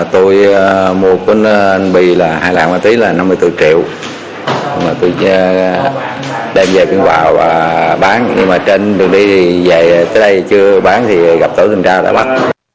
tôi mua con bi là hai lạng ma túy là năm mươi bốn triệu mà tôi đem về kiếm vào và bán nhưng mà trên đường đi về tới đây chưa bán thì gặp tổ dân cao đã bắt